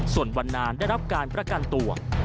ส่วนวันนานได้รับการประกันตัว